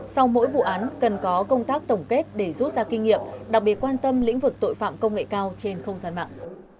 sau mỗi vụ án cần có công tác tổng kết để rút ra kinh nghiệm đặc biệt quan tâm lĩnh vực tội phạm công nghệ cao trên không gian mạng